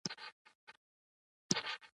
هر وګړی چې د خلکو په ګټه کار وکړي.